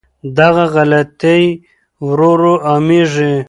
دغه غلطۍ ورو ورو عامېږي.